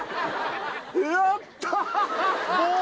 やったー